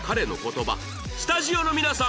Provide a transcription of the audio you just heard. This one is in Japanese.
スタジオの皆さん